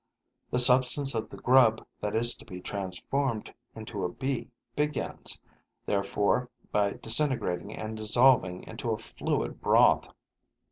The substance of the grub that is to be transformed into a bee begins, therefore, by disintegrating and dissolving into a fluid broth.